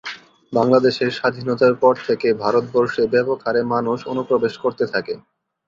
বাংলাদেশের স্বাধীনতার পর থেকে ভারতবর্ষে ব্যাপক হারে মানুষ অনুপ্রবেশ করতে থাকে।